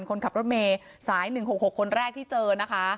คนขับรถเมย์สาย๑๖๖คนแรกที่เจอนะคะ